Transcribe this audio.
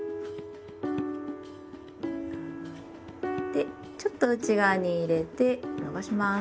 でちょっと内側に入れて伸ばします。